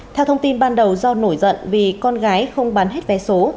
theo thông tin ban đầu do nổi giận vì con gái không bán hết vé số